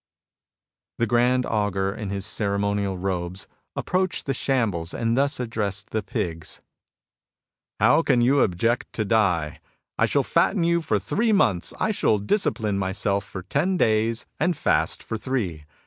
The Grand Augur, in his ceremonial robes, approached the shambles and thus addressed the pigs :'' How can you object to die ? I shall fatten you for three months. I shall discipline myself for ten days and fast for three.